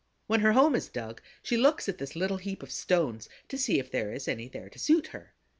When her home is dug, she looks at this little heap of stones to see if there is any there to suit her.